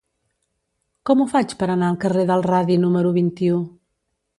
Com ho faig per anar al carrer del Radi número vint-i-u?